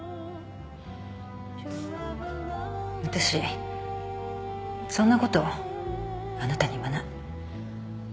私そんなことあなたに言わない。